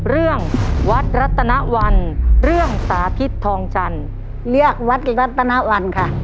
เรื่องวัดรัตนวันเรื่องสาธิตทองจันทร์เลือกวัดรัตนวันค่ะ